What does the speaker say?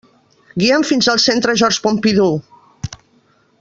Guia'm fins al centre George Pompidou!